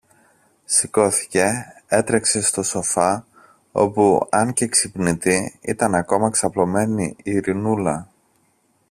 Σηκώθηκε, έτρεξε στο σοφά όπου, αν και ξυπνητή, ήταν ακόμα ξαπλωμένη η Ειρηνούλα.